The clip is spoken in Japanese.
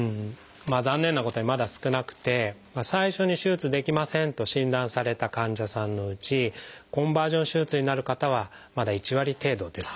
残念なことにまだ少なくて最初に手術できませんと診断された患者さんのうちコンバージョン手術になる方はまだ１割程度です。